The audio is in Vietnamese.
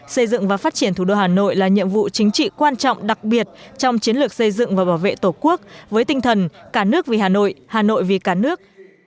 xây dựng và phát triển thủ đô hà nội là nhiệm vụ chính trị quan trọng đặc biệt trong chiến lược xây dựng và bảo vệ tổ quốc với tinh thần cả nước vì hà nội hà nội vì cả nước